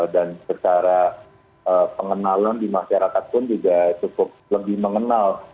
dan secara pengenalan di masyarakat pun juga cukup lebih mengenal